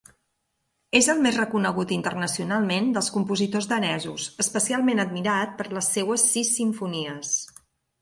És el més reconegut internacionalment dels compositors danesos, especialment admirat per les seues sis simfonies.